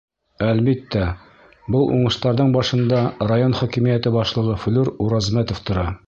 Әлбиттә, был уңыштарҙың башында район хакимиәте башлығы Флүр Уразмәтов тора.